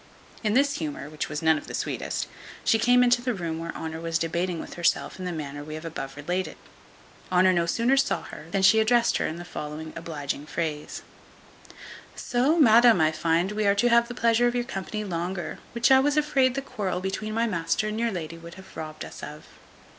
In this humour, which was none of the sweetest, she came into the room where Honour was debating with herself in the manner we have above related. Honour no sooner saw her, than she addressed her in the following obliging phrase: "Soh, madam, I find we are to have the pleasure of your company longer, which I was afraid the quarrel between my master and your lady would have robbed us of."